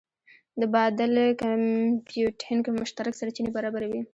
د بادل کمپیوټینګ مشترک سرچینې برابروي.